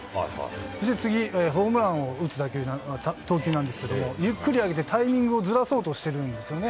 そして次、ホームランを打つ投球なんですけども、ゆっくり上げて、タイミングをずらそうとしているんですよね。